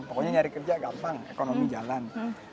pokoknya nyari kerja gampang ekonomi jalan